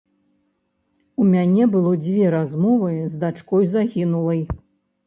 У мяне было дзве размовы з дачкой загінулай.